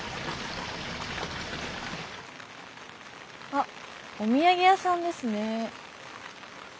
あお土産屋さんですね。